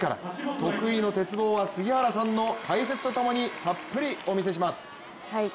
得意の鉄棒は杉原さんの解説とともにたっぷりお見せします。